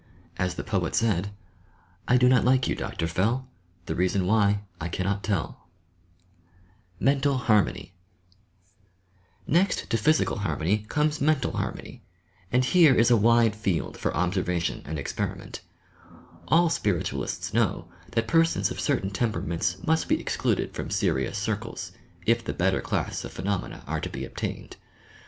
As the poet said : MENTAL HARMONY Next to physical harmony comes mental harmony, and here is a wide field for observation and experiment. All Spiritualists know that persons of certain tempera ments must be excluded from serious circles, if the better class of phenomena are to be obtained.